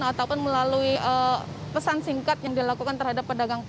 ataupun melalui pesan singkat yang dilakukan